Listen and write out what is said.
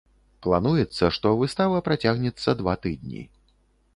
Плануецца, што выстава працягнецца два тыдні.